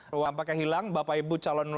tampaknya hilang bapak ibu calon